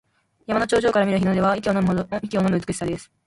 山の頂上から見る日の出は息をのむ美しさです。